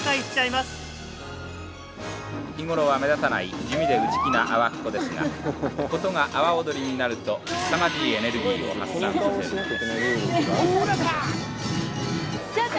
日頃は目立たない地味で内気な阿波っ子ですが事が阿波踊りになるとすさまじいエネルギーを発散させるのです